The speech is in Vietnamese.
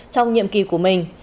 trong nhiệm kỳ của mình